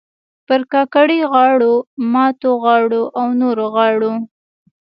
پر کاکړۍ غاړو، ماتو غاړو او نورو غاړو